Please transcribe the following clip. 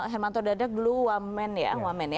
hermanto dardak dulu wamen ya